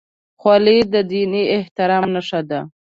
خولۍ د دیني احترام نښه ده.